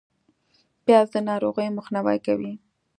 پیاز د ناروغیو مخنیوی کوي